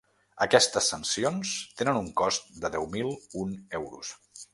Aquestes sancions tenen un cost de deu mil un euros.